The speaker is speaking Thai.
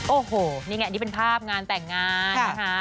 โอ้โหนี่ไงอันนี้เป็นภาพงานแต่งงานนะคะ